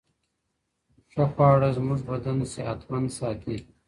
خه خواړه زموږ بدن صحت مند ساتي